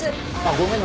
ごめんね。